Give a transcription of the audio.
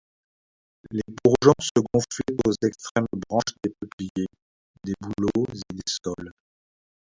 Les bourgeons se gonflaient aux extrêmes branches des peupliers, des bouleaux et des saules.